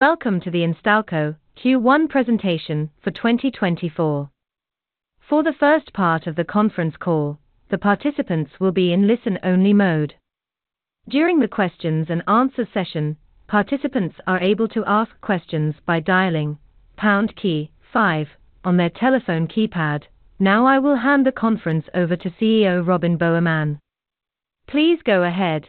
Welcome to the Instalco Q1 Presentation for 2024. For the First Part of the Conference Call, the participants will be in listen-only mode. During the questions-and-answers session, participants are able to ask questions by dialing pound key five on their telephone keypad. Now I will hand the conference over to CEO Robin Boheman. Please go ahead.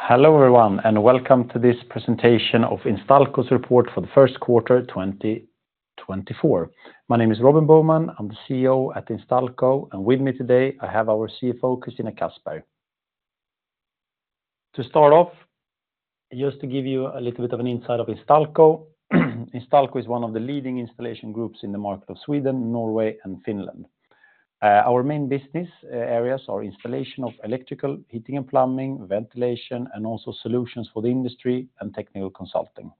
Hello everyone and welcome to this Presentation of Instalco's Report for the First Quarter 2024. My name is Robin Boheman, I'm the CEO at Instalco, and with me today I have our CFO Christina Kassberg. To start off, just to give you a little bit of an insight of Instalco, Instalco is one of the leading installation groups in the market of Sweden, Norway, and Finland. Our main business areas are installation of electrical, heating and plumbing, ventilation, and also solutions for the industry and technical consulting.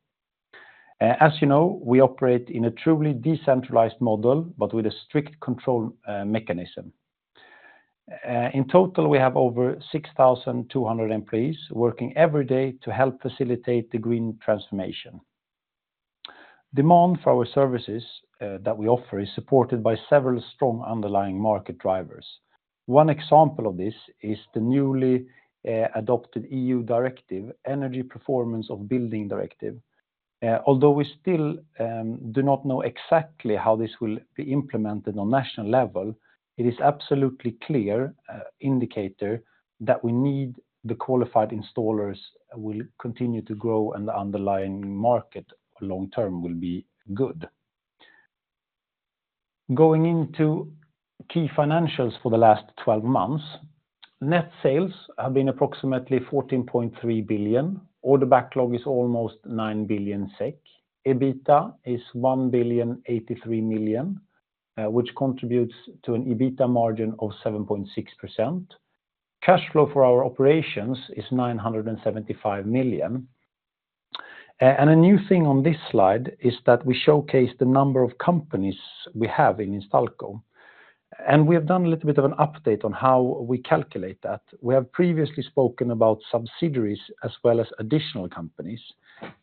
As you know, we operate in a truly decentralized model but with a strict control mechanism. In total we have over 6,200 employees working every day to help facilitate the green transformation. Demand for our services that we offer is supported by several strong underlying market drivers. One example of this is the newly adopted EU directive, Energy Performance of Buildings Directive. Although we still do not know exactly how this will be implemented on national level, it is absolutely clear indicator that we need the qualified installers will continue to grow and the underlying market long term will be good. Going into key financials for the last 12 months, net sales have been approximately 14.3 billion, order backlog is almost 9 billion SEK, EBITDA is 1.083 billion, which contributes to an EBITDA margin of 7.6%, cash flow for our operations is 975 million. A new thing on this slide is that we showcase the number of companies we have in Instalco, and we have done a little bit of an update on how we calculate that. We have previously spoken about subsidiaries as well as additional companies,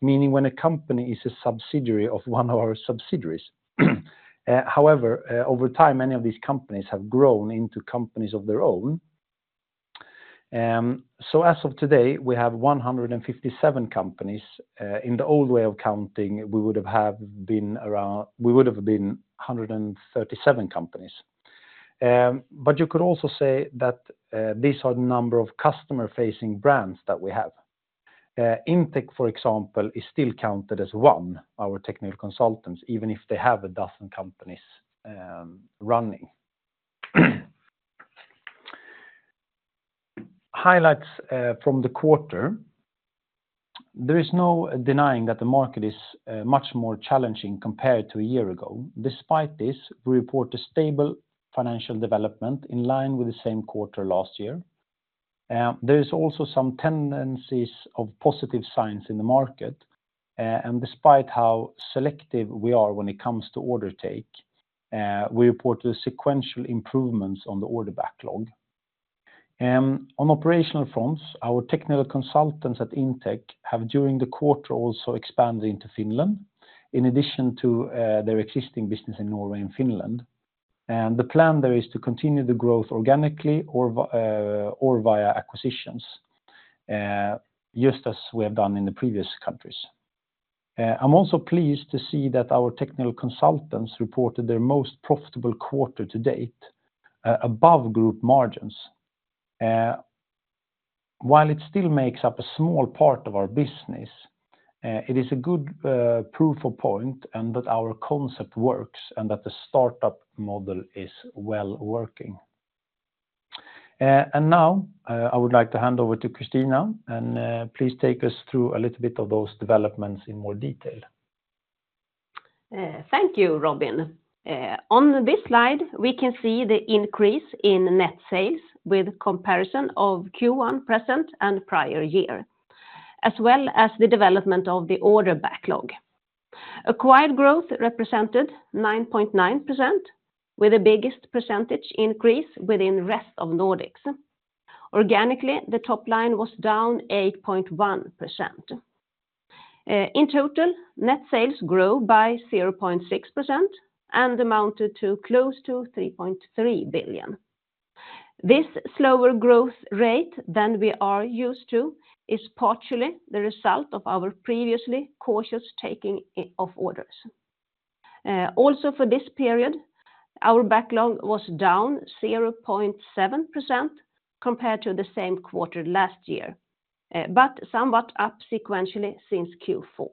meaning when a company is a subsidiary of one of our subsidiaries. However, over time many of these companies have grown into companies of their own. So as of today we have 157 companies. In the old way of counting we would have been around we would have been 137 companies. But you could also say that these are the number of customer-facing brands that we have. Intec, for example, is still counted as one, our technical consultants, even if they have a dozen companies running. Highlights from the quarter. There is no denying that the market is much more challenging compared to a year ago. Despite this, we report a stable financial development in line with the same quarter last year. There is also some tendencies of positive signs in the market, and despite how selective we are when it comes to order take, we report sequential improvements on the order backlog. On operational fronts, our technical consultants at Intec have during the quarter also expanded into Finland, in addition to their existing business in Norway and Finland. The plan there is to continue the growth organically or via acquisitions, just as we have done in the previous countries. I'm also pleased to see that our technical consultants reported their most profitable quarter-to-date above group margins. While it still makes up a small part of our business, it is a good proof of point and that our concept works and that the startup model is well working. Now I would like to hand over to Christina, and please take us through a little bit of those developments in more detail. Thank you, Robin. On this slide we can see the increase in net sales with comparison of Q1 present and prior year, as well as the development of the order backlog. Acquired growth represented 9.9%, with the biggest percentage increase within the rest of Nordics. Organically the top line was down 8.1%. In total net sales grew by 0.6% and amounted to close to 3.3 billion. This slower growth rate than we are used to is partially the result of our previously cautious taking of orders. Also for this period our backlog was down 0.7% compared to the same quarter last year, but somewhat up sequentially since Q4.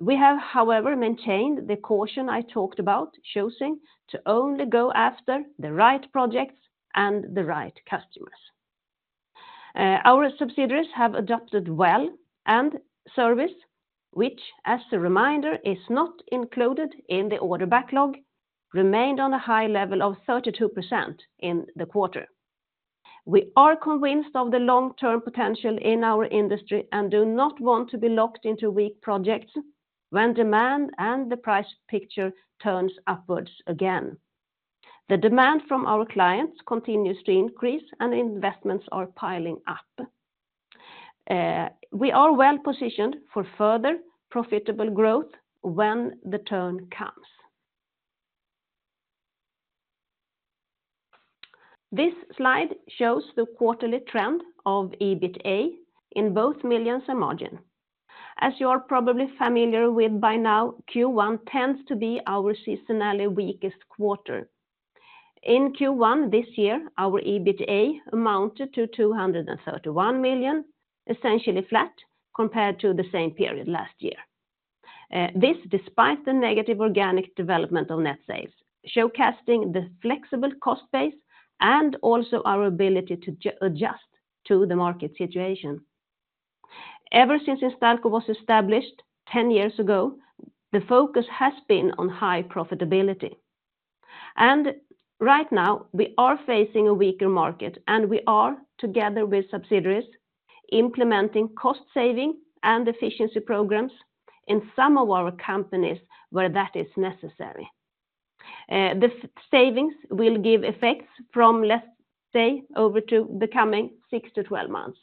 We have, however, maintained the caution I talked about, choosing to only go after the right projects and the right customers. Our subsidiaries have adopted well and service, which, as a reminder, is not included in the order backlog, remained on a high level of 32% in the quarter. We are convinced of the long-term potential in our industry and do not want to be locked into weak projects when demand and the price picture turns upwards again. The demand from our clients continues to increase and investments are piling up. We are well positioned for further profitable growth when the turn comes. This slide shows the quarterly trend of EBITDA in both millions and margin. As you are probably familiar with by now, Q1 tends to be our seasonally weakest quarter. In Q1 this year our EBITDA amounted to 231 million, essentially flat compared to the same period last year. This despite the negative organic development of net sales, showcasing the flexible cost base and also our ability to adjust to the market situation. Ever since Instalco was established 10 years ago, the focus has been on high profitability. And right now we are facing a weaker market and we are, together with subsidiaries, implementing cost saving and efficiency programs in some of our companies where that is necessary. The savings will give effects from, let's say, over the coming 6-12 months.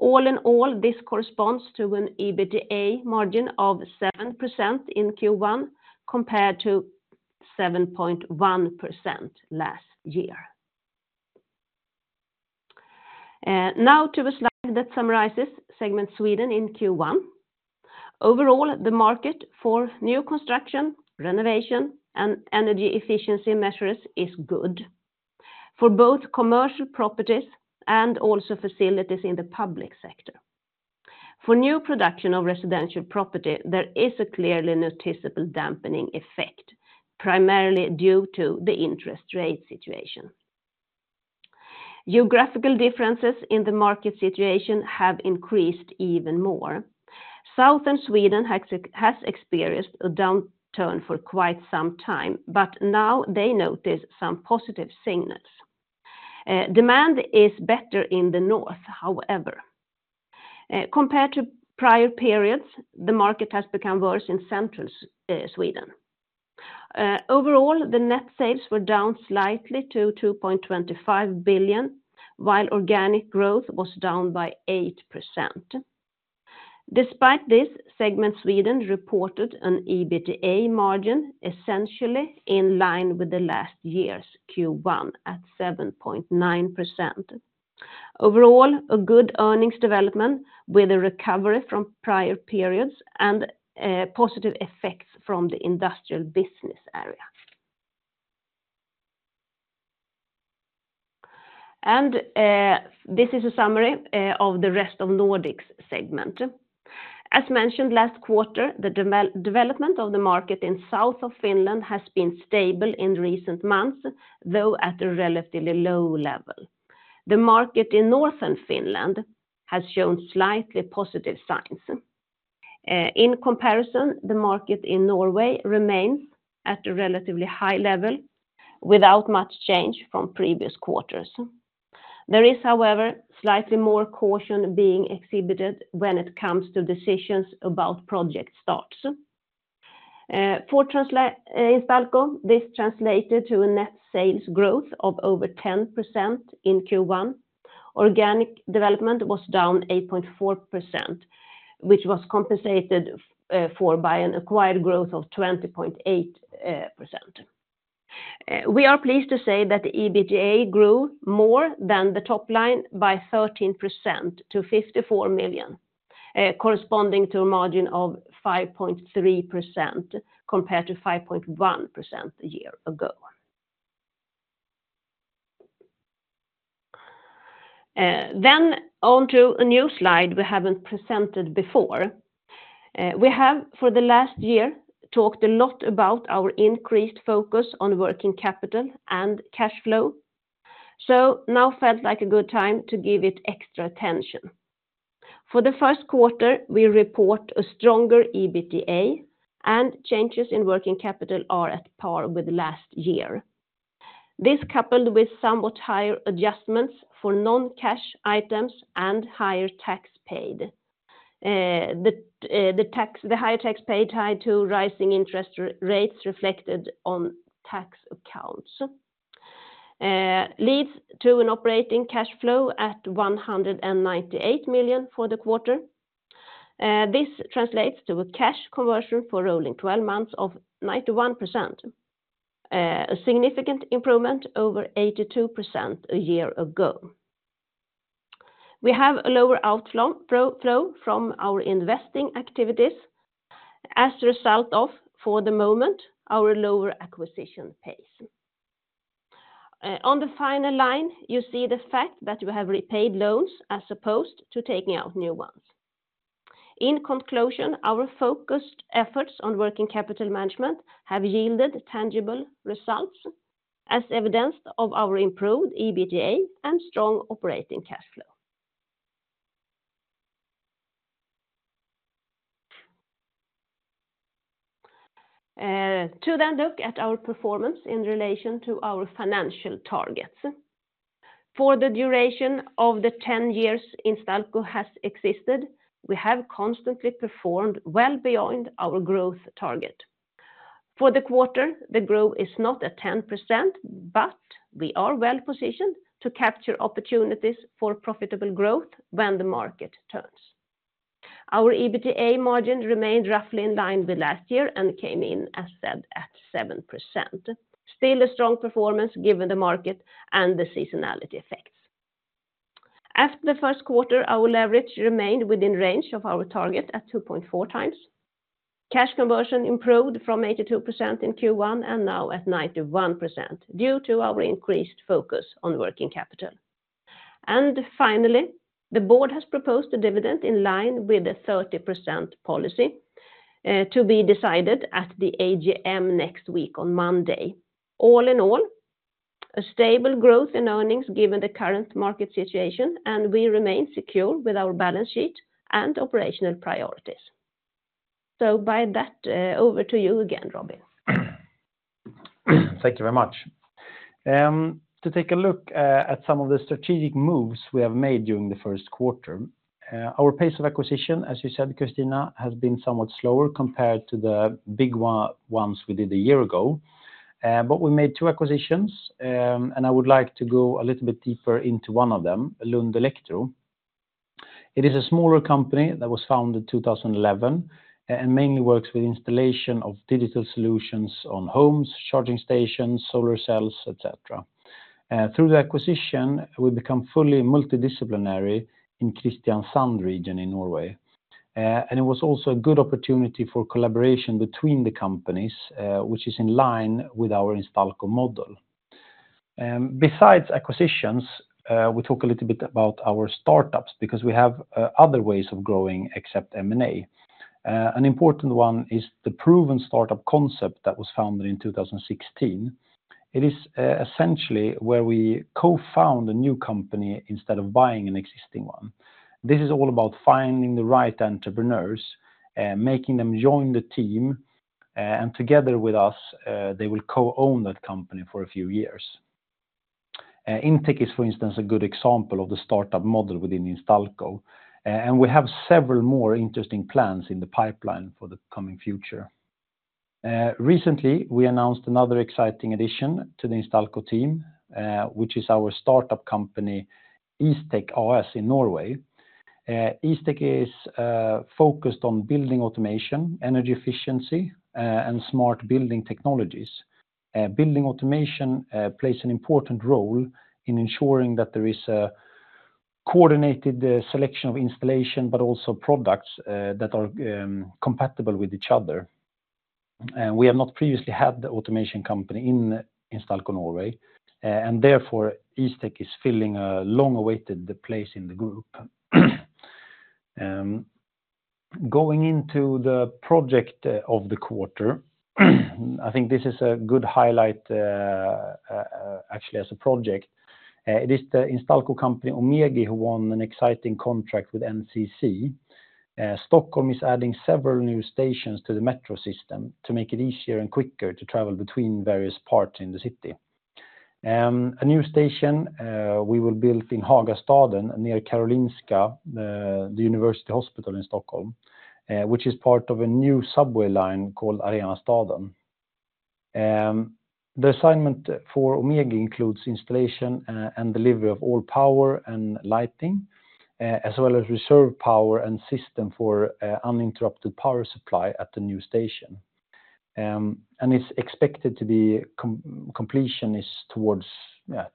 All in all this corresponds to an EBITDA margin of 7% in Q1 compared to 7.1% last year. Now to a slide that summarizes Segment Sweden in Q1. Overall the market for new construction, renovation, and energy efficiency measures is good, for both commercial properties and also facilities in the public sector. For new production of residential property there is a clearly noticeable dampening effect, primarily due to the interest rate situation. Geographical differences in the market situation have increased even more. Southern Sweden has experienced a downturn for quite some time, but now they notice some positive signals. Demand is better in the north, however. Compared to prior periods the market has become worse in central Sweden. Overall the net sales were down slightly to 2.25 billion, while organic growth was down by 8%. Despite this Segment Sweden reported an EBITDA margin essentially in line with the last year's Q1 at 7.9%. Overall a good earnings development with a recovery from prior periods and positive effects from the industrial business area. This is a summary of the rest of Nordics segment. As mentioned last quarter, the development of the market in south of Finland has been stable in recent months, though at a relatively low level. The market in northern Finland has shown slightly positive signs. In comparison, the market in Norway remains at a relatively high level, without much change from previous quarters. There is, however, slightly more caution being exhibited when it comes to decisions about project starts. For Instalco this translated to a net sales growth of over 10% in Q1. Organic development was down 8.4%, which was compensated for by an acquired growth of 20.8%. We are pleased to say that the EBITDA grew more than the top line by 13% to 54 million, corresponding to a margin of 5.3% compared to 5.1% a year ago. Then on to a new slide we haven't presented before. We have for the last year talked a lot about our increased focus on working capital and cash flow, so now felt like a good time to give it extra attention. For the first quarter we report a stronger EBITDA and changes in working capital are at par with last year. This coupled with somewhat higher adjustments for non-cash items and higher tax paid. The higher tax paid tied to rising interest rates reflected on tax accounts leads to an operating cash flow at 198 million for the quarter. This translates to a cash conversion for rolling 12 months of 91%, a significant improvement over 82% a year ago. We have a lower outflow from our investing activities as a result of, for the moment, our lower acquisition pace. On the final line you see the fact that we have repaid loans as opposed to taking out new ones. In conclusion our focused efforts on working capital management have yielded tangible results, as evidenced of our improved EBITDA and strong operating cash flow. To then look at our performance in relation to our financial targets. For the duration of the 10 years Instalco has existed we have constantly performed well beyond our growth target. For the quarter the growth is not at 10%, but we are well positioned to capture opportunities for profitable growth when the market turns. Our EBITDA margin remained roughly in line with last year and came in, as said, at 7%. Still a strong performance given the market and the seasonality effects. After the first quarter our leverage remained within range of our target at 2.4 times. Cash conversion improved from 82% in Q1 and now at 91% due to our increased focus on working capital. Finally the board has proposed a dividend in line with a 30% policy to be decided at the AGM next week on Monday. All in all a stable growth in earnings given the current market situation and we remain secure with our balance sheet and operational priorities. By that over to you again, Robin. Thank you very much. To take a look at some of the strategic moves we have made during the first quarter. Our pace of acquisition, as you said, Christina, has been somewhat slower compared to the big ones we did a year ago. We made two acquisitions and I would like to go a little bit deeper into one of them, Lunde Elektro. It is a smaller company that was founded in 2011 and mainly works with installation of digital solutions on homes, charging stations, solar cells, etc. Through the acquisition we became fully multidisciplinary in Kristiansand region in Norway. It was also a good opportunity for collaboration between the companies, which is in line with our Instalco model. Besides acquisitions we talk a little bit about our startups because we have other ways of growing except M&A. An important one is the proven startup concept that was founded in 2016. It is essentially where we co-found a new company instead of buying an existing one. This is all about finding the right entrepreneurs, making them join the team, and together with us they will co-own that company for a few years. Intec is, for instance, a good example of the startup model within Instalco. And we have several more interesting plans in the pipeline for the coming future. Recently we announced another exciting addition to the Instalco team, which is our startup company Estech AS in Norway. Estech is focused on building automation, energy efficiency, and smart building technologies. Building automation plays an important role in ensuring that there is a coordinated selection of installation but also products that are compatible with each other. We have not previously had the automation company in Instalco Norway, and therefore Estech is filling a long-awaited place in the group. Going into the project of the quarter, I think this is a good highlight actually as a project. It is the Instalco company Ohmegi who won an exciting contract with NCC. Stockholm is adding several new stations to the metro system to make it easier and quicker to travel between various parts in the city. A new station we will build in Hagastaden near Karolinska, the university hospital in Stockholm, which is part of a new subway line called Arenastaden. The assignment for Ohmegi includes installation and delivery of all power and lighting, as well as reserve power and system for uninterrupted power supply at the new station. It's expected to be completion is towards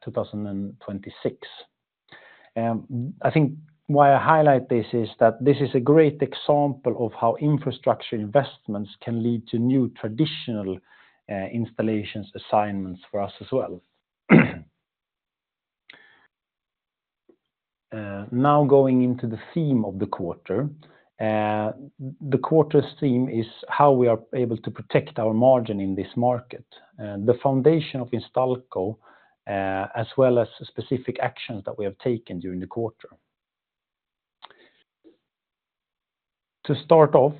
2026. I think why I highlight this is that this is a great example of how infrastructure investments can lead to new traditional installations assignments for us as well. Now going into the theme of the quarter. The quarter's theme is how we are able to protect our margin in this market. The foundation of Instalco, as well as specific actions that we have taken during the quarter. To start off,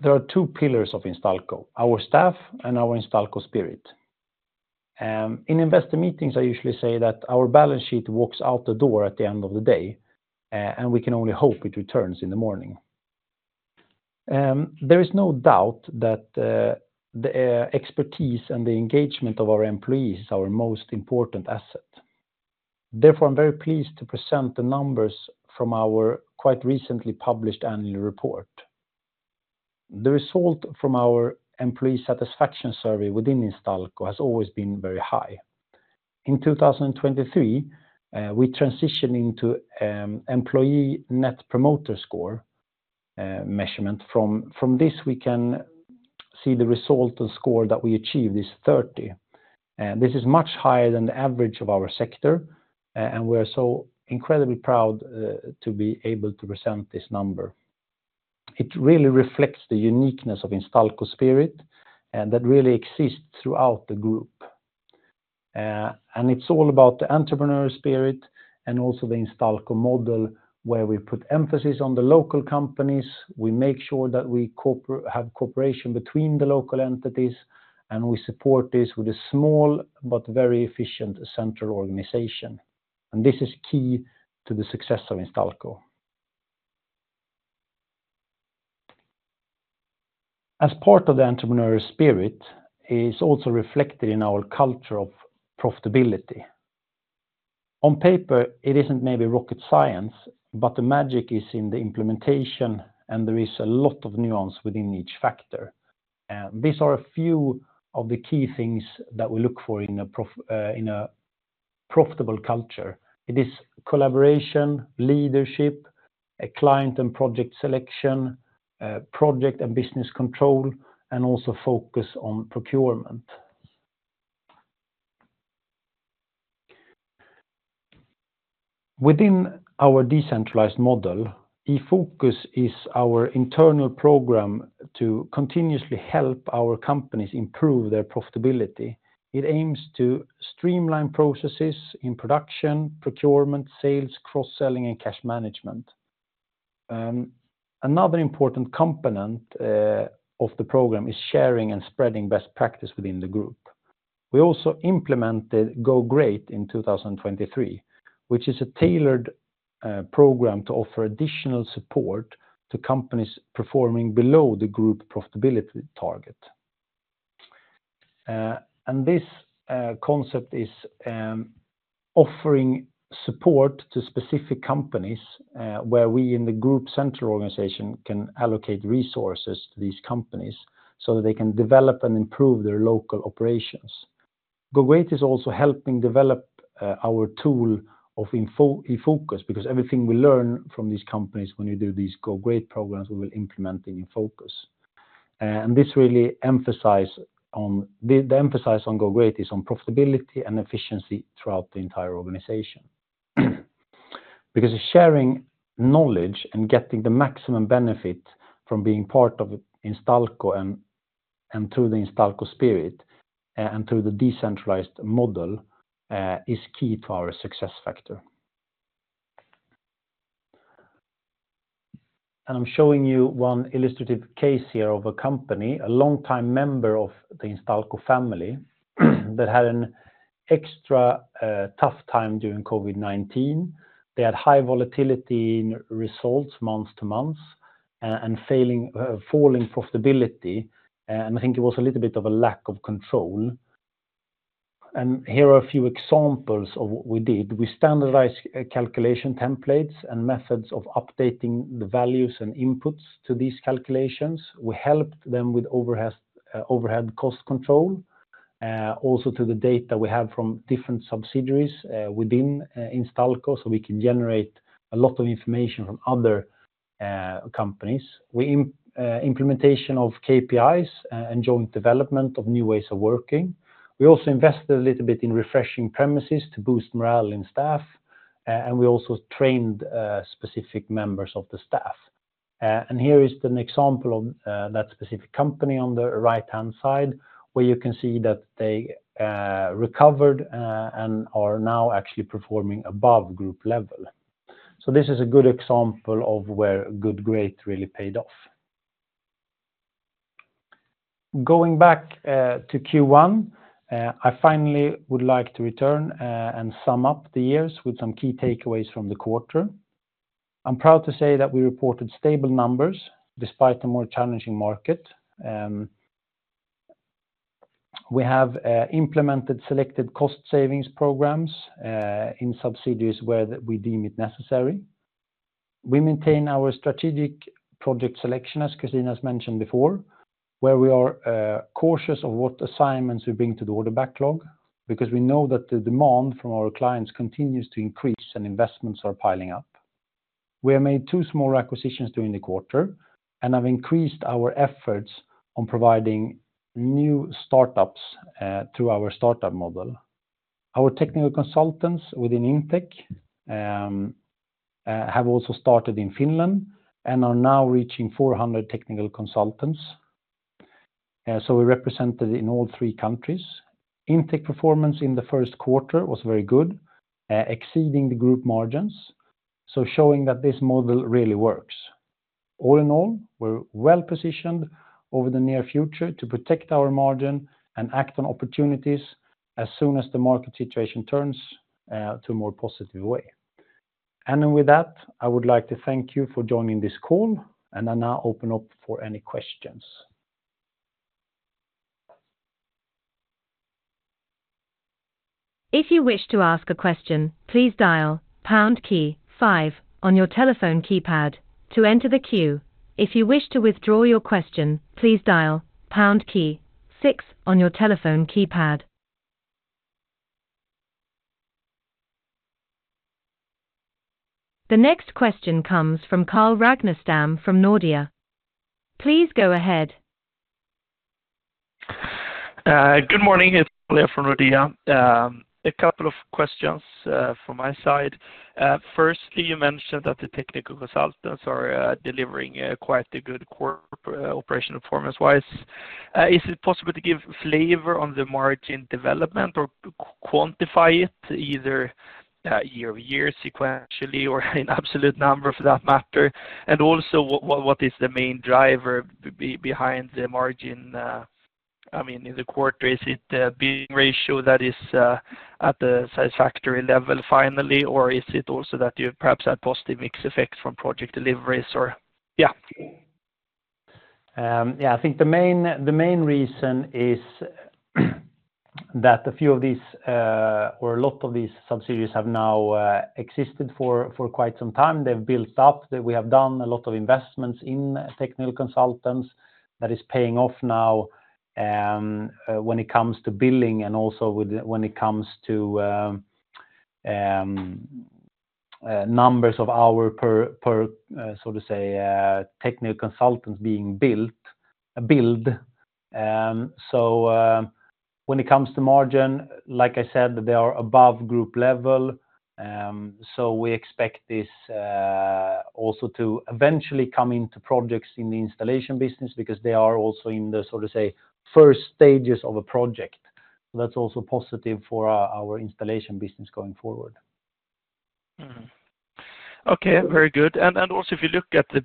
there are two pillars of Instalco, our staff and our Instalco Spirit. In investor meetings I usually say that our balance sheet walks out the door at the end of the day and we can only hope it returns in the morning. There is no doubt that the expertise and the engagement of our employees is our most important asset. Therefore I'm very pleased to present the numbers from our quite recently published annual report. The result from our employee satisfaction survey within Instalco has always been very high. In 2023 we transitioned into Employee Net Promoter Score measurement. From this we can see the result and score that we achieved is 30. This is much higher than the average of our sector and we are so incredibly proud to be able to present this number. It really reflects the uniqueness of Instalco Spirit that really exists throughout the group. And it's all about the entrepreneur spirit and also the Instalco model where we put emphasis on the local companies, we make sure that we have cooperation between the local entities, and we support this with a small but very efficient central organization. And this is key to the success of Instalco. As part of the entrepreneur spirit is also reflected in our culture of profitability. On paper it isn't maybe rocket science, but the magic is in the implementation and there is a lot of nuance within each factor. These are a few of the key things that we look for in a profitable culture. It is collaboration, leadership, client and project selection, project and business control, and also focus on procurement. Within our decentralized model IFOKUS is our internal program to continuously help our companies improve their profitability. It aims to streamline processes in production, procurement, sales, cross-selling, and cash management. Another important component of the program is sharing and spreading best practice within the group. We also implemented GoGreat in 2023, which is a tailored program to offer additional support to companies performing below the group profitability target. This concept is offering support to specific companies where we in the group central organization can allocate resources to these companies so that they can develop and improve their local operations. GoGreat is also helping develop our tool of IFOKUS because everything we learn from these companies when you do these GoGreat programs we will implement in IFOKUS. This really emphasizes on GoGreat is on profitability and efficiency throughout the entire organization. Because sharing knowledge and getting the maximum benefit from being part of Instalco and through the Instalco Spirit and through the decentralized model is key to our success factor. I'm showing you one illustrative case here of a company, a long-time member of the Instalco family that had an extra tough time during COVID-19. They had high volatility in results month to months and falling profitability. I think it was a little bit of a lack of control. Here are a few examples of what we did. We standardized calculation templates and methods of updating the values and inputs to these calculations. We helped them with overhead cost control. Also to the data we have from different subsidiaries within Instalco so we can generate a lot of information from other companies. Implementation of KPIs and joint development of new ways of working. We also invested a little bit in refreshing premises to boost morale in staff and we also trained specific members of the staff. Here is an example of that specific company on the right-hand side where you can see that they recovered and are now actually performing above group level. So this is a good example of where GoGreat really paid off. Going back to Q1, I finally would like to return and sum up the years with some key takeaways from the quarter. I'm proud to say that we reported stable numbers despite a more challenging market. We have implemented selected cost savings programs in subsidiaries where we deem it necessary. We maintain our strategic project selection, as Christina has mentioned before, where we are cautious of what assignments we bring to the order backlog because we know that the demand from our clients continues to increase and investments are piling up. We have made 2 small acquisitions during the quarter and have increased our efforts on providing new startups through our startup model. Our technical consultants within Intec have also started in Finland and are now reaching 400 technical consultants. So we represented in all three countries. Intec performance in the first quarter was very good, exceeding the group margins. Showing that this model really works. All in all, we're well positioned over the near future to protect our margin and act on opportunities as soon as the market situation turns to a more positive way. With that, I would like to thank you for joining this call and I now open up for any questions. If you wish to ask a question, please dial pound key five on your telephone keypad to enter the queue. If you wish to withdraw your question, please dial pound key six on your telephone keypad. The next question comes from Carl Ragnestam from Nordea. Please go ahead. Good morning. It's Carl from Nordea. A couple of questions from my side. Firstly, you mentioned that the technical consultants are delivering quite a good corporate operation performance-wise. Is it possible to give flavor on the margin development or quantify it either year-over-year sequentially or in absolute number for that matter? And also what is the main driver behind the margin? I mean, in the quarter, is it a billing ratio that is at the satisfactory level finally, or is it also that you perhaps had positive mix effects from project deliveries or yeah? Yeah. I think the main reason is that a few of these or a lot of these subsidiaries have now existed for quite some time. They've built up. We have done a lot of investments in technical consultants. That is paying off now when it comes to billing and also when it comes to numbers of our, so to say, technical consultants being built. So when it comes to margin, like I said, they are above group level. So we expect this also to eventually come into projects in the installation business because they are also in the, so to say, first stages of a project. So that's also positive for our installation business going forward. Okay. Very good. And also if you look at the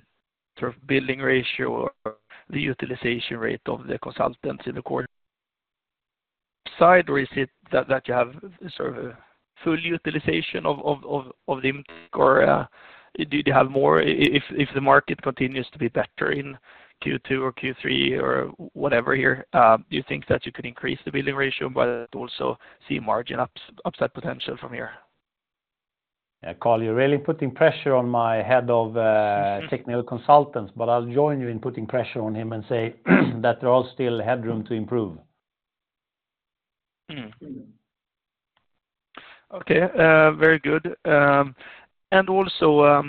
sort of billing ratio or the utilization rate of the consultants in the quarter side, or is it that you have sort of a full utilization of the income or do you have more if the market continues to be better in Q2 or Q3 or whatever here? Do you think that you could increase the billing ratio but also see margin upside potential from here? Yeah. Karl, you're really putting pressure on my head of technical consultants, but I'll join you in putting pressure on him and say that there's still headroom to improve. Okay. Very good. And also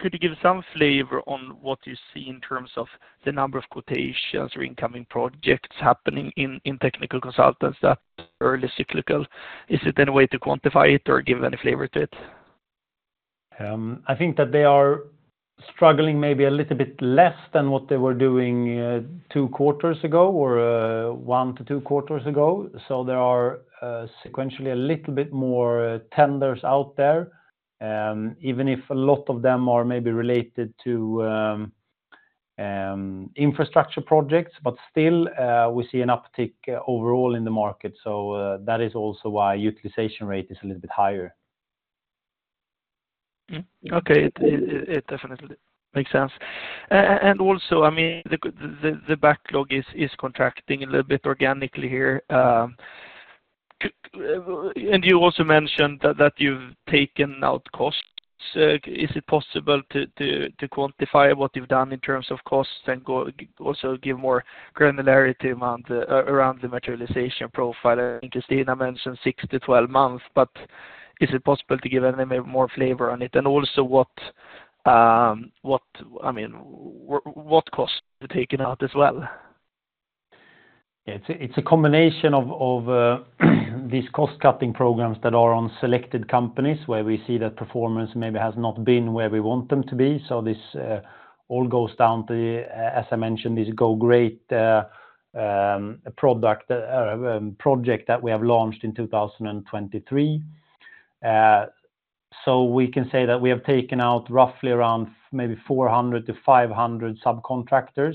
could you give some flavor on what you see in terms of the number of quotations or incoming projects happening in technical consultants that are early cyclical? Is it any way to quantify it or give any flavor to it? I think that they are struggling maybe a little bit less than what they were doing two quarters ago or one to two quarters ago. So there are sequentially a little bit more tenders out there, even if a lot of them are maybe related to infrastructure projects. But still, we see an uptick overall in the market. So that is also why utilization rate is a little bit higher. Okay. It definitely makes sense. And also, I mean, the backlog is contracting a little bit organically here. And you also mentioned that you've taken out costs. Is it possible to quantify what you've done in terms of costs and also give more granularity around the materialization profile? I think Christina mentioned 6-12 months, but is it possible to give any more flavor on it? And also, I mean, what costs have you taken out as well? Yeah. It's a combination of these cost-cutting programs that are on selected companies where we see that performance maybe has not been where we want them to be. So this all goes down to, as I mentioned, this GoGreat project that we have launched in 2023. So we can say that we have taken out roughly around maybe 400-500 subcontractors.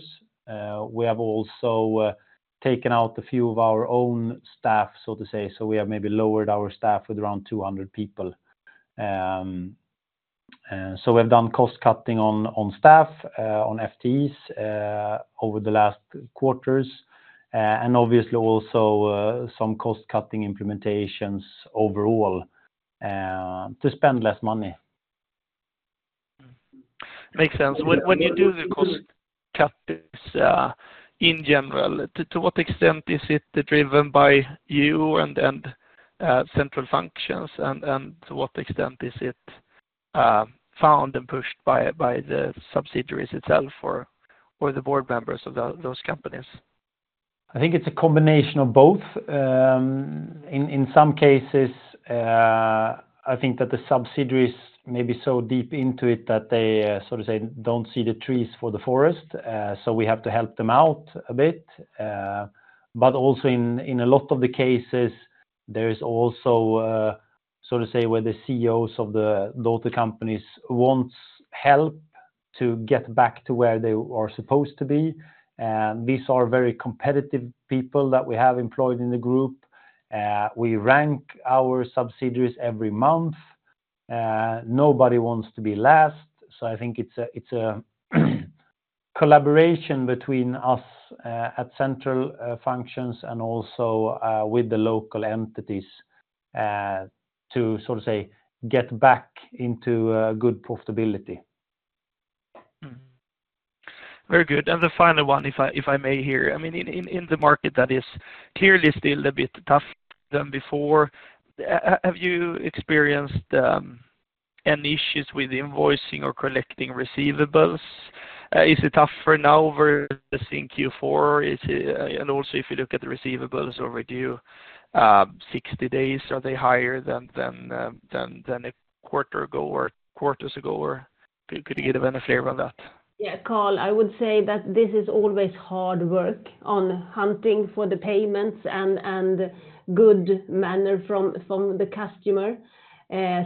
We have also taken out a few of our own staff, so to say. So we have maybe lowered our staff with around 200 people. So we have done cost-cutting on staff, on FTEs over the last quarters. And obviously, also some cost-cutting implementations overall to spend less money. Makes sense. When you do the cost cut in general, to what extent is it driven by you and central functions? To what extent is it found and pushed by the subsidiaries itself or the board members of those companies? I think it's a combination of both. In some cases, I think that the subsidiaries may be so deep into it that they, so to say, don't see the trees for the forest. So we have to help them out a bit. But also in a lot of the cases, there is also, so to say, where the CEOs of the daughter companies want help to get back to where they are supposed to be. These are very competitive people that we have employed in the group. We rank our subsidiaries every month. Nobody wants to be last. So I think it's a collaboration between us at central functions and also with the local entities to, so to say, get back into good profitability. Very good. And the final one, if I may here. I mean, in the market that is clearly still a bit tougher than before, have you experienced any issues with invoicing or collecting receivables? Is it tougher now versus in Q4? And also, if you look at the receivables overdue 60 days, are they higher than a quarter ago or quarters ago? Or could you give any flavor on that? Yeah. Karl, I would say that this is always hard work on hunting for the payments and good manner from the customer.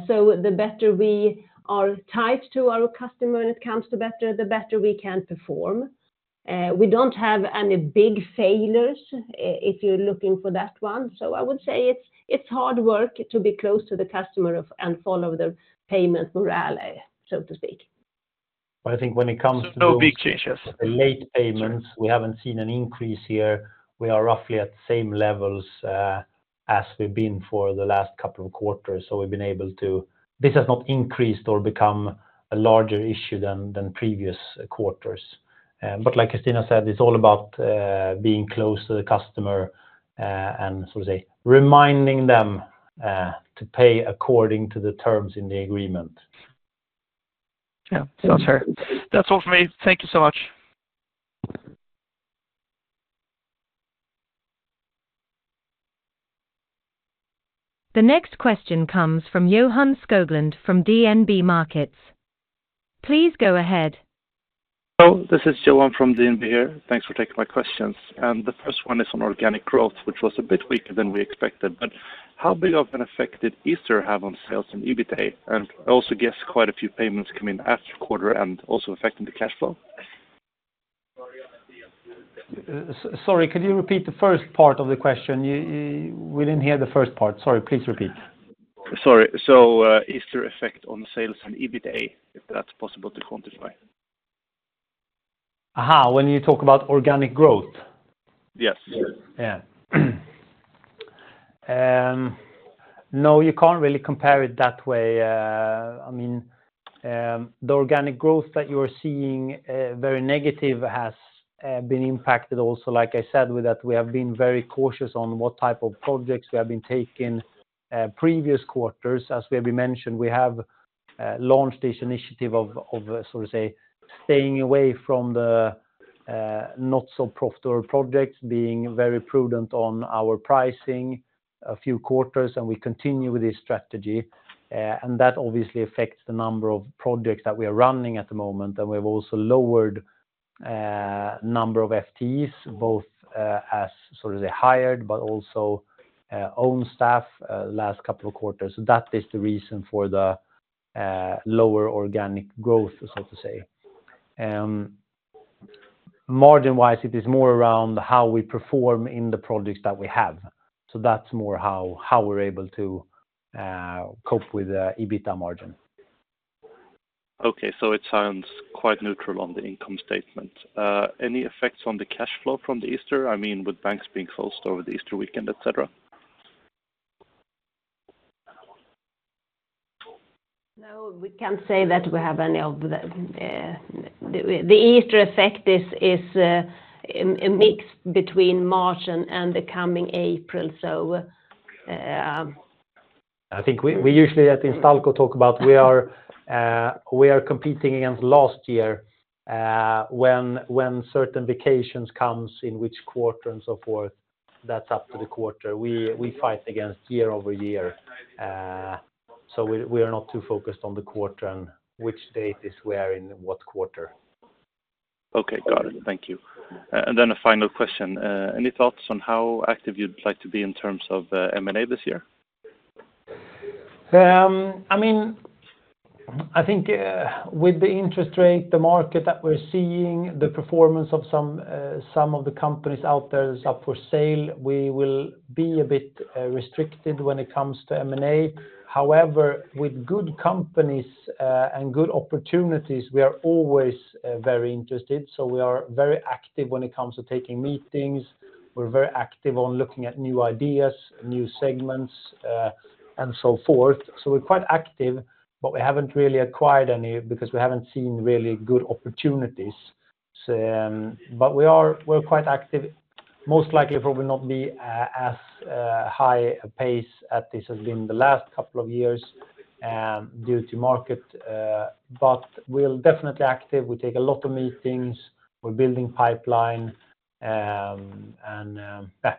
So the better we are tied to our customer when it comes to better, the better we can perform. We don't have any big failures if you're looking for that one. So I would say it's hard work to be close to the customer and follow their payment morale, so to speak. But I think when it comes to the late payments, we haven't seen an increase here. We are roughly at the same levels as we've been for the last couple of quarters. So this has not increased or become a larger issue than previous quarters. But like Christina said, it's all about being close to the customer and, so to say, reminding them to pay according to the terms in the agreement. Yeah. Sounds fair. That's all from me. Thank you so much. The next question comes from Johan Skoglund from DNB Markets. Please go ahead. Hello. This is Johan from DNB here. Thanks for taking my questions. The first one is on organic growth, which was a bit weaker than we expected. But how big of an effect did Easter have on sales and EBITDA? And I also guess quite a few payments come in after quarter end, also affecting the cash flow. Sorry. Could you repeat the first part of the question? We didn't hear the first part. Sorry. Please repeat. Sorry. So Easter effect on sales and EBITDA, if that's possible to quantify? Aha. When you talk about organic growth? Yes. Yeah. No, you can't really compare it that way. I mean, the organic growth that you are seeing very negative has been impacted also, like I said, with that we have been very cautious on what type of projects we have been taking previous quarters. As we have been mentioned, we have launched this initiative of, so to say, staying away from the not-so-profitable projects, being very prudent on our pricing a few quarters, and we continue with this strategy. That obviously affects the number of projects that we are running at the moment. We have also lowered the number of FTEs, both as, so to say, hired but also owned staff last couple of quarters. That is the reason for the lower organic growth, so to say. Margin-wise, it is more around how we perform in the projects that we have. So that's more how we're able to cope with the EBITDA margin. Okay. So it sounds quite neutral on the income statement. Any effects on the cash flow from the Easter? I mean, with banks being closed over the Easter weekend, etc.? No, we can't say that we have any of the Easter effect is a mix between March and the coming April, so. I think we usually at Instalco talk about we are competing against last year when certain vacations come in which quarter and so forth. That's up to the quarter. We fight against year-over-year. So we are not too focused on the quarter and which date is where in what quarter. Okay. Got it. Thank you. And then a final question. Any thoughts on how active you'd like to be in terms of M&A this year? I mean, I think with the interest rate, the market that we're seeing, the performance of some of the companies out there that's up for sale, we will be a bit restricted when it comes to M&A. However, with good companies and good opportunities, we are always very interested. So we are very active when it comes to taking meetings. We're very active on looking at new ideas, new segments, and so forth. So we're quite active, but we haven't really acquired any because we haven't seen really good opportunities. But we're quite active. Most likely, it will not be as high a pace as this has been the last couple of years due to market. But we're definitely active. We take a lot of meetings. We're building a pipeline. And yeah,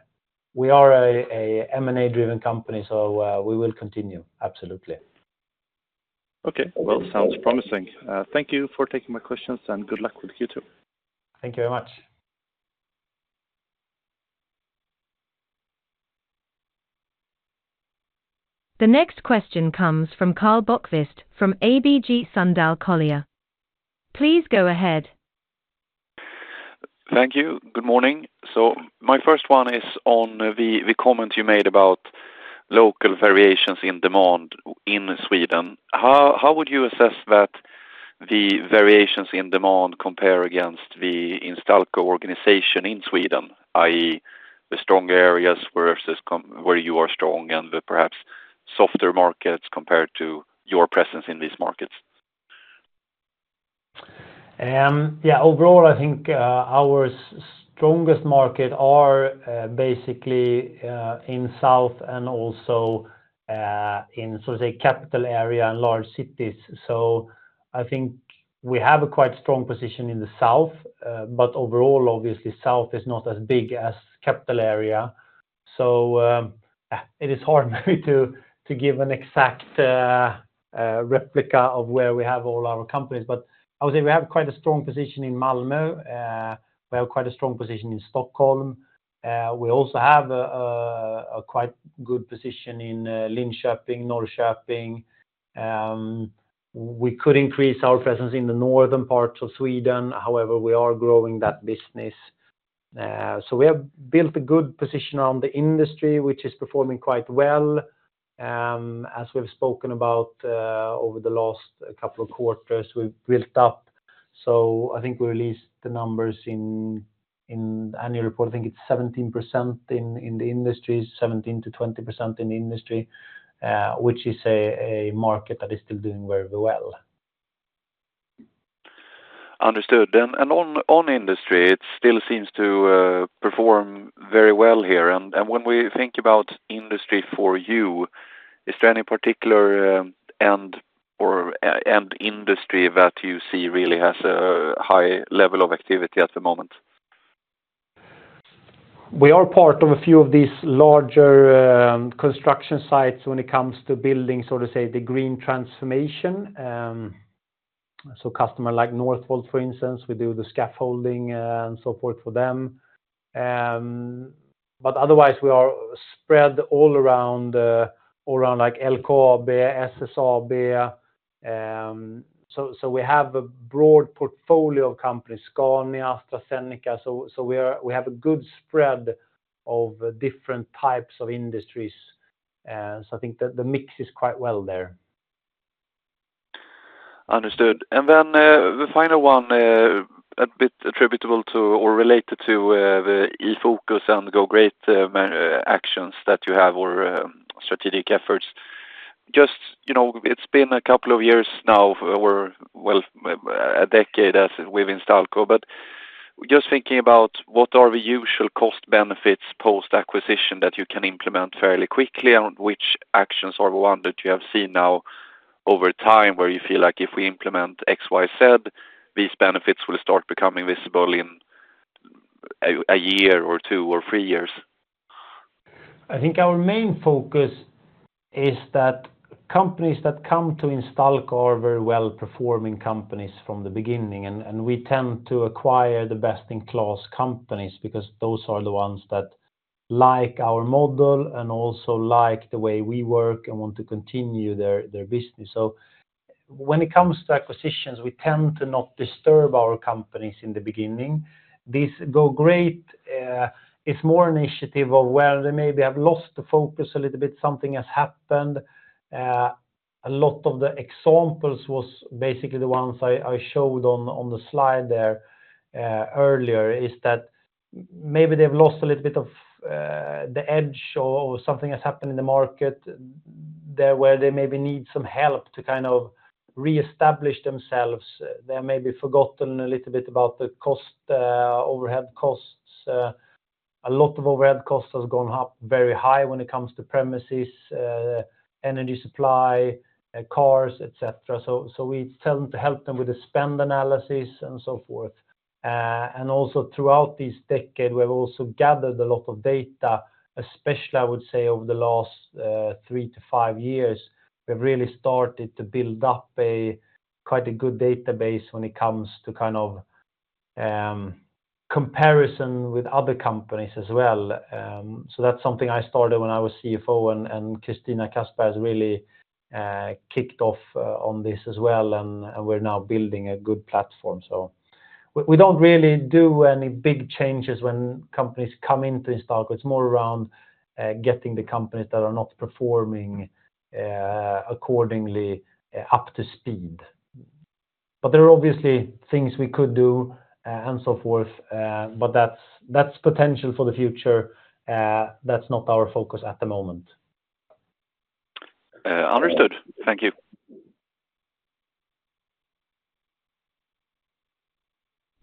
we are a M&A-driven company, so we will continue. Absolutely. Okay. Well, sounds promising. Thank you for taking my questions, and good luck with Q2. Thank you very much. The next question comes from Karl Bokvist from ABG Sundal Collier. Please go ahead. Thank you. Good morning. So my first one is on the comment you made about local variations in demand in Sweden. How would you assess that the variations in demand compare against the Instalco organization in Sweden, i.e., the stronger areas versus where you are strong and perhaps softer markets compared to your presence in these markets? Yeah. Overall, I think our strongest markets are basically in the south and also in, so to say, capital area and large cities. So I think we have a quite strong position in the south. But overall, obviously, the south is not as big as the capital area. So it is hard maybe to give an exact replica of where we have all our companies. But I would say we have quite a strong position in Malmö. We have quite a strong position in Stockholm. We also have a quite good position in Linköping, Norrköping. We could increase our presence in the northern parts of Sweden. However, we are growing that business. So we have built a good position around the industry, which is performing quite well. As we've spoken about over the last couple of quarters, we've built up. I think we released the numbers in the annual report. I think it's 17% in the industry, 17%-20% in the industry, which is a market that is still doing very well. Understood. And on industry, it still seems to perform very well here. And when we think about industry for you, is there any particular end industry that you see really has a high level of activity at the moment? We are part of a few of these larger construction sites when it comes to building, so to say, the green transformation. So customers like Northvolt, for instance, we do the scaffolding and so forth for them. But otherwise, we are spread all around like LKAB, SSAB. So we have a broad portfolio of companies, Scania, AstraZeneca. So we have a good spread of different types of industries. So I think the mix is quite well there. Understood. And then the final one a bit attributable to or related to the IFOKUS and GoGreat actions that you have or strategic efforts. Just it's been a couple of years now or, well, a decade as with Instalco. But just thinking about what are the usual cost benefits post-acquisition that you can implement fairly quickly, and which actions are the ones that you have seen now over time where you feel like if we implement X, Y, Z, these benefits will start becoming visible in a year or 2 or 3 years? I think our main focus is that companies that come to Instalco are very well-performing companies from the beginning. And we tend to acquire the best-in-class companies because those are the ones that like our model and also like the way we work and want to continue their business. So when it comes to acquisitions, we tend to not disturb our companies in the beginning. This GoGreat is more an initiative of where they maybe have lost the focus a little bit. Something has happened. A lot of the examples was basically the ones I showed on the slide there earlier, is that maybe they've lost a little bit of the edge or something has happened in the market there where they maybe need some help to kind of reestablish themselves. They maybe forgotten a little bit about the overhead costs. A lot of overhead costs have gone up very high when it comes to premises, energy supply, cars, etc. So we tend to help them with the spend analysis and so forth. And also throughout this decade, we have also gathered a lot of data, especially, I would say, over the last 3-5 years. We have really started to build up quite a good database when it comes to kind of comparison with other companies as well. So that's something I started when I was CFO. And Christina Kassberg has really kicked off on this as well. And we're now building a good platform. So we don't really do any big changes when companies come into Instalco. It's more around getting the companies that are not performing accordingly up to speed. But there are obviously things we could do and so forth. But that's potential for the future. That's not our focus at the moment. Understood. Thank you.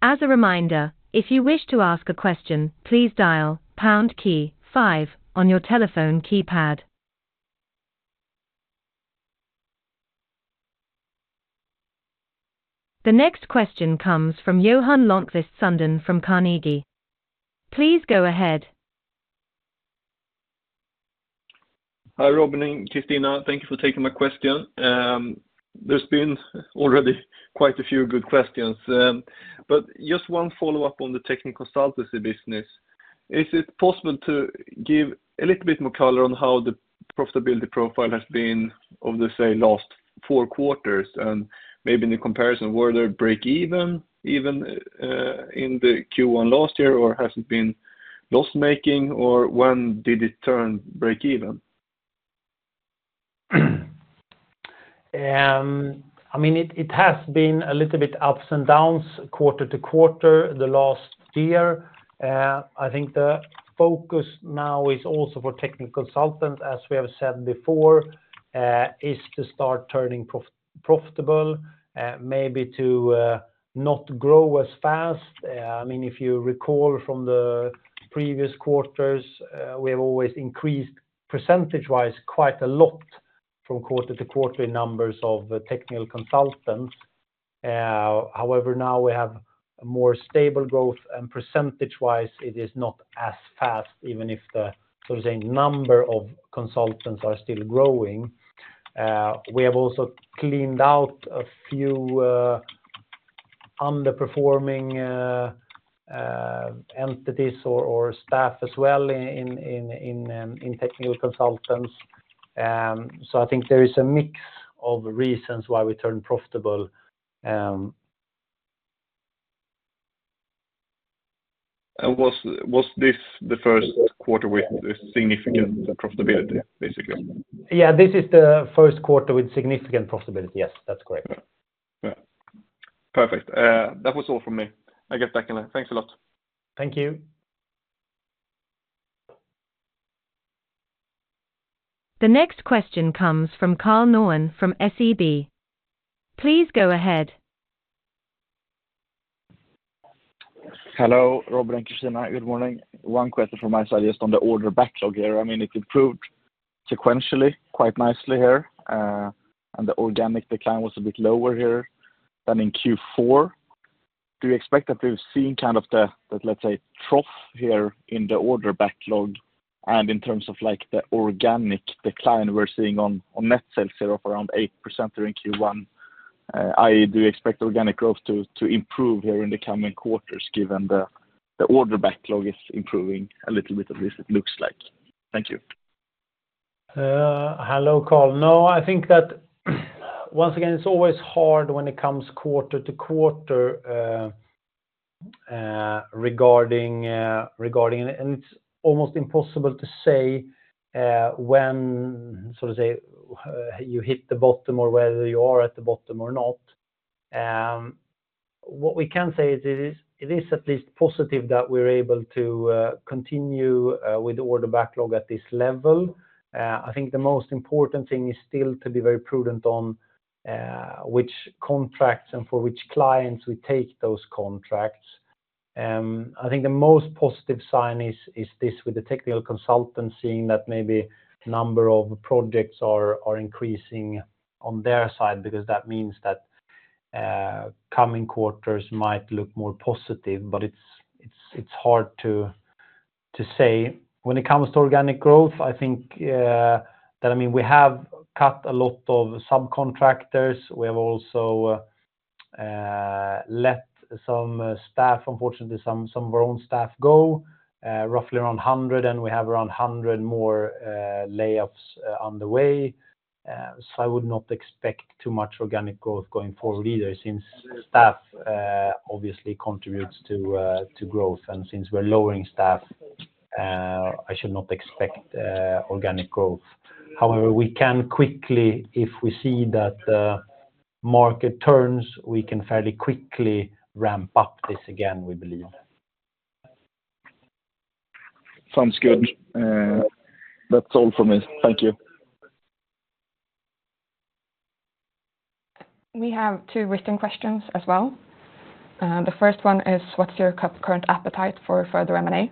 As a reminder, if you wish to ask a question, please dial pound key five on your telephone keypad. The next question comes from Johan Lönnqvist Sundén from Carnegie. Please go ahead. Hi Robin. Christina, thank you for taking my question. There's been already quite a few good questions. But just one follow-up on the technical consulting business. Is it possible to give a little bit more color on how the profitability profile has been over the, say, last four quarters? And maybe in the comparison, were there break-even even in the Q1 last year, or has it been loss-making? Or when did it turn break-even? I mean, it has been a little bit ups and downs quarter-to-quarter the last year. I think the focus now is also for technical consultants, as we have said before, is to start turning profitable, maybe to not grow as fast. I mean, if you recall from the previous quarters, we have always increased percentage-wise quite a lot from quarter-to-quarter in numbers of technical consultants. However, now we have more stable growth. And percentage-wise, it is not as fast, even if the, so to say, number of consultants are still growing. We have also cleaned out a few underperforming entities or staff as well in technical consultants. So I think there is a mix of reasons why we turned profitable. Was this the first quarter with significant profitability, basically? Yeah. This is the first quarter with significant profitability. Yes, that's correct. Yeah. Perfect. That was all from me. I'll get back in there. Thanks a lot. Thank you. The next question comes from Karl Norén from SEB. Please go ahead. Hello, Robin and Christina. Good morning. One question from my side just on the order backlog here. I mean, it improved sequentially quite nicely here. The organic decline was a bit lower here than in Q4. Do you expect that we've seen kind of the, let's say, trough here in the order backlog and in terms of the organic decline we're seeing on net sales here of around 8% during Q1? I mean, do you expect organic growth to improve here in the coming quarters given the order backlog is improving a little bit, at least it looks like? Thank you. Hello, Karl. No, I think that once again, it's always hard when it comes quarter-to-quarter regarding and it's almost impossible to say when, so to say, you hit the bottom or whether you are at the bottom or not. What we can say is it is at least positive that we're able to continue with the order backlog at this level. I think the most important thing is still to be very prudent on which contracts and for which clients we take those contracts. I think the most positive sign is this with the technical consultant seeing that maybe a number of projects are increasing on their side because that means that coming quarters might look more positive. But it's hard to say. When it comes to organic growth, I think that, I mean, we have cut a lot of subcontractors. We have also let some staff, unfortunately, some of our own staff go, roughly around 100. We have around 100 more layoffs underway. So I would not expect too much organic growth going forward either since staff obviously contributes to growth. Since we're lowering staff, I should not expect organic growth. However, we can quickly, if we see that the market turns, we can fairly quickly ramp up this again, we believe. Sounds good. That's all from me. Thank you. We have two written questions as well. The first one is, what's your current appetite for further M&A?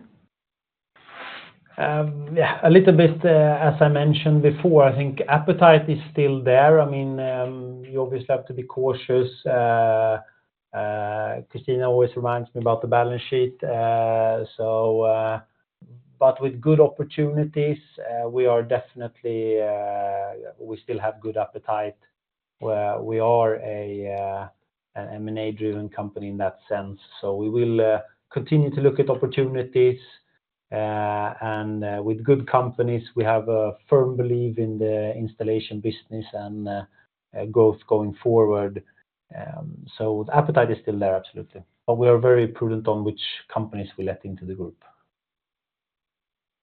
Yeah. A little bit, as I mentioned before, I think appetite is still there. I mean, you obviously have to be cautious. Christina always reminds me about the balance sheet. But with good opportunities, we are definitely we still have good appetite. We are an M&A-driven company in that sense. So we will continue to look at opportunities. And with good companies, we have a firm belief in the installation business and growth going forward. So the appetite is still there, absolutely. But we are very prudent on which companies we let into the group.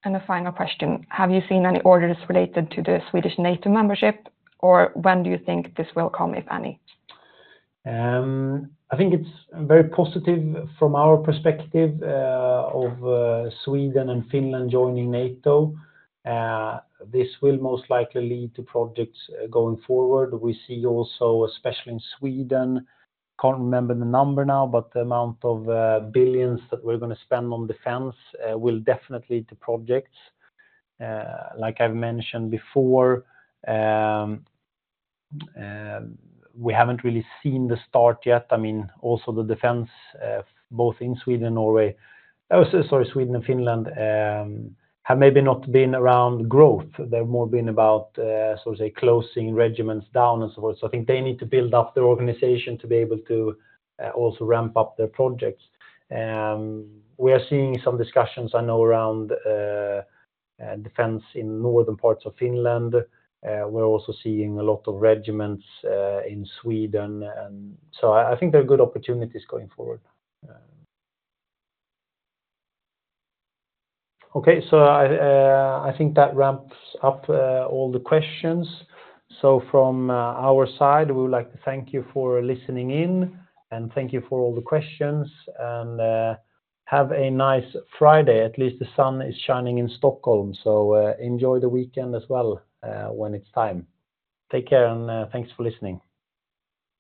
A final question. Have you seen any orders related to the Swedish NATO membership? Or when do you think this will come, if any? I think it's very positive from our perspective of Sweden and Finland joining NATO. This will most likely lead to projects going forward. We see also, especially in Sweden I can't remember the number now, but the amount of billions that we're going to spend on defense will definitely lead to projects. Like I've mentioned before, we haven't really seen the start yet. I mean, also the defense, both in Sweden and Norway sorry, Sweden and Finland have maybe not been around growth. They've more been about, so to say, closing regiments down and so forth. So I think they need to build up their organization to be able to also ramp up their projects. We are seeing some discussions, I know, around defense in northern parts of Finland. We're also seeing a lot of regiments in Sweden. And so I think there are good opportunities going forward. Okay. I think that ramps up all the questions. From our side, we would like to thank you for listening in. Thank you for all the questions. Have a nice Friday. At least the sun is shining in Stockholm. Enjoy the weekend as well when it's time. Take care. Thanks for listening.